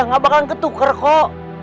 nggak bakal ketuker kok